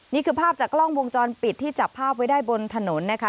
นี่คือภาพจากกล้องวงจรปิดที่จับภาพไว้ได้บนถนนนะคะ